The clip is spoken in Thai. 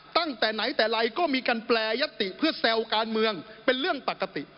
ตั้งแต่ไหนแต่ไรก็มีการแปรยติเพื่อแซวการเมืองเป็นเรื่องปกติ